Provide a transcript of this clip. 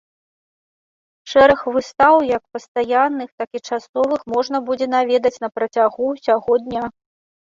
Шэраг выстаў як пастаянных, так і часовых можна будзе наведаць на працягу ўсяго дня.